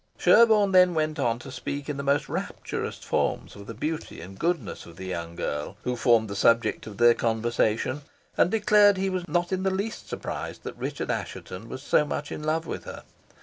Sherborne then went on to speak in the most rapturous terms of the beauty and goodness of the young girl who formed the subject of their conversation, and declared he was not in the least surprised that Richard Assheton was so much in love with her.